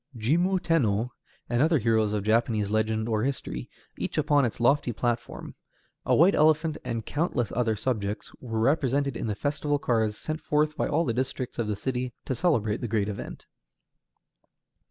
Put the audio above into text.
Jimmu Tenno and other heroes of Japanese legend or history, each upon its lofty platform, a white elephant, and countless other subjects were represented in the festival cars sent forth by all the districts of the city to celebrate the great event.